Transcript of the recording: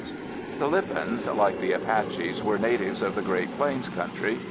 _] The Lipans, like the Apaches, were natives of the Great Plains country.